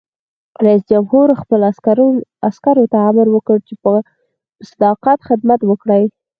رئیس جمهور خپلو عسکرو ته امر وکړ؛ په صداقت خدمت وکړئ!